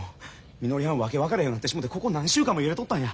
みのりはん訳分かれへんようになってしもうてここ何週間も揺れとったんや。